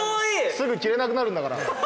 すぐ着れなくなるんだから。